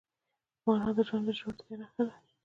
مانا د ژوند د ژورتیا نښه ده.